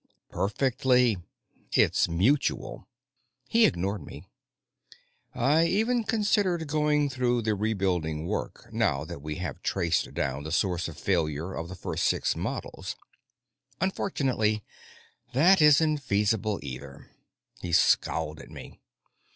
"Perfectly. It's mutual." He ignored me. "I even considered going through with the rebuilding work, now that we have traced down the source of failure of the first six models. Unfortunately, that isn't feasible, either." He scowled at me.